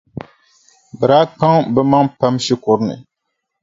Bɛ daa kpaŋ bɛ maŋa pam shikuru ni.